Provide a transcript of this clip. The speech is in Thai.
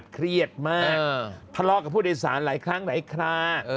เครียดมากทะเลาะกับผู้โดยสารหลายครั้งหลายครา